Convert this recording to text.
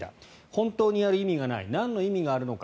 本当にやる意味がないなんの意味があるのか。